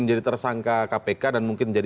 jadi tersangka kpk dan mungkin